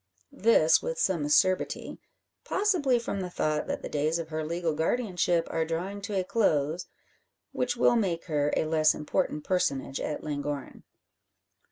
This with some acerbity possibly from the thought that the days of her legal guardianship are drawing to a close, which will make her a less important personage at Llangorren.